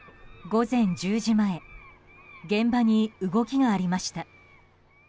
午前１０時前現場に動きがありました。